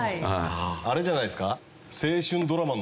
あれじゃないですか？